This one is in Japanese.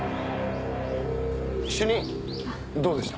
主任どうでした？